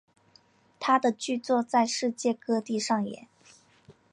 他的剧作在世界各地上演。